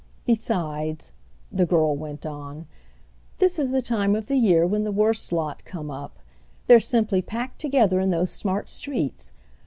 Besides," the girl went on, "this is the time of the year when the worst lot come up. They're simply packed together in those smart streets.